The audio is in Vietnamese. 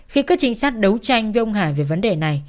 khi các trinh sát đấu tranh với ông hải về vấn đề này